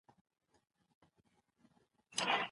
ولسي جرګه پر پراختيايي پروژو څارنه کوي.